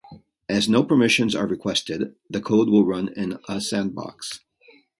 As no permissions are requested, the code will run in a sandbox.